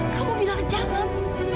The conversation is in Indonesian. kamu bilang jangan